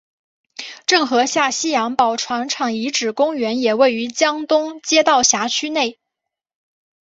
郑和下西洋宝船厂遗址公园也位于江东街道辖区内。